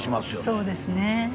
そうですね